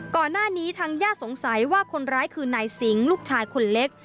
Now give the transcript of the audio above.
ก่อนหน้านี้ทางญาติสงสัยว่าคนร้ายคือนายสิงห์ลูกชายคนเล็ก